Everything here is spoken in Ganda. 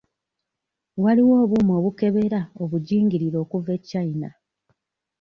Waliwo obuuma obukebera obugingirire okuva e China.